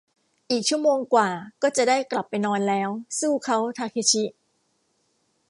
อีกชั่วโมงกว่าก็จะได้กลับไปนอนแล้ว สู้เค้าทาเคชิ